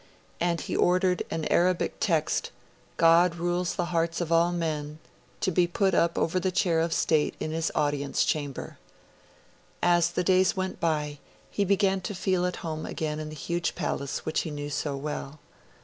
And he ordered an Arabic text, 'God rules the hearts of all men', to be put up over the chair of state in his audience chamber. As the days went by, he began to feel at home again in the huge palace which he knew so well.